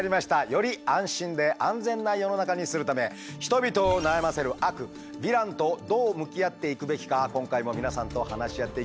より安心で安全な世の中にするため人々を悩ませる悪ヴィランとどう向き合っていくべきか今回も皆さんと話し合っていきましょう。